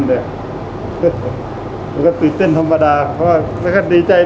สวัสดีครับผมชื่อสามารถชานุบาลชื่อเล่นว่าขิงถ่ายหนังสุ่นแห่ง